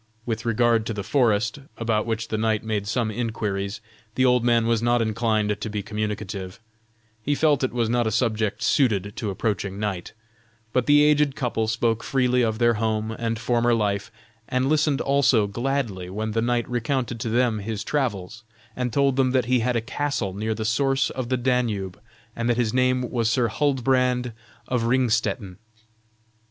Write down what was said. With regard to the forest, about which the knight made some inquiries, the old man was not inclined to be communicative; he felt it was not a subject suited to approaching night, but the aged couple spoke freely of their home and former life, and listened also gladly when the knight recounted to them his travels, and told them that he had a castle near the source of the Danube, and that his name was Sir Huldbrand of Ringstetten.